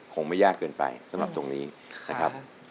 คงไม่ยากเกินไปสำหรับตรงนี้นะครับ